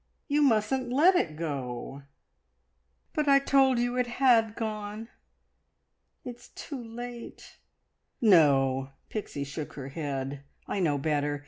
You mustn't let it go!" "But I told you it had gone. It's too late." "No!" Pixie shook her head. "I know better.